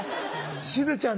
しずちゃん